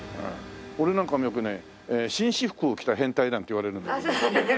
俺なんかもよくね紳士服を着た変態なんて言われるんだけども。